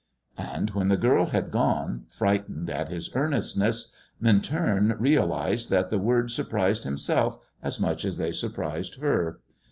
And when the girl had gone, frightened at his earnestness, Minturn realised that the words surprised himself as much as they surprised her.